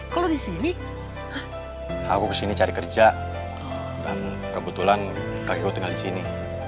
kalau disini aku sini cari kerja dan kebetulan karyu tinggal di sini